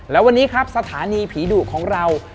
และวันนี้ครับสถานีผีดุของเรา